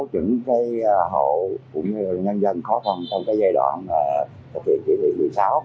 những cái hậu cũng như là nhân dân khó khăn trong cái giai đoạn thực hiện kỷ niệm một mươi sáu